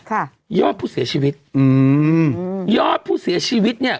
ค่ะยอดผู้เสียชีวิตอืมยอดผู้เสียชีวิตเนี้ย